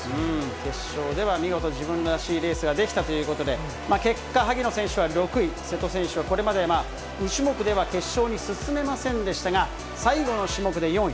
決勝では見事、自分らしいレースができたということで、結果、萩野選手は６位、瀬戸選手は、これまで２種目では決勝に進めませんでしたが、最後の種目で４位。